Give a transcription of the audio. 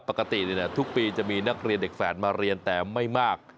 ปกติทุกปีจะมีนักเรียนเด็กแฝดมาเรียนแต่ไม่มาก